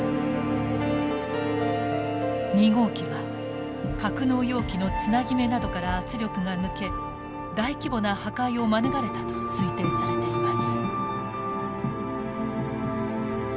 ２号機は格納容器のつなぎ目などから圧力が抜け大規模な破壊を免れたと推定されています。